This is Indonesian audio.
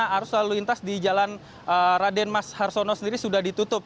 arus lalu lintas di jalan raden mas harsono sendiri sudah ditutup